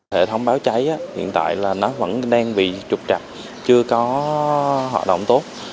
hệ thống báo cháy hiện tại nó vẫn đang bị trục trập chưa có hoạt động tốt